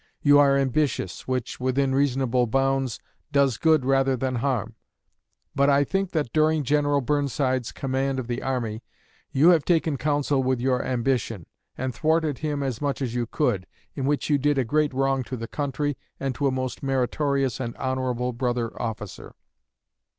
You are ambitious, which, within reasonable bounds, does good rather than harm; but I think that during General Burnside's command of the army you have taken counsel with your ambition, and thwarted him as much as you could, in which you did a great wrong to the country and to a most meritorious and honorable brother officer.